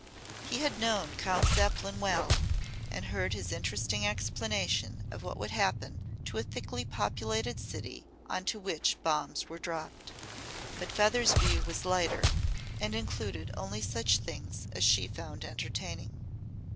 He had known Count Zeppelin well and heard his interesting explanation of what would happen to a thickly populated city on to which bombs were dropped. But Feather's view was lighter and included only such things as she found entertaining.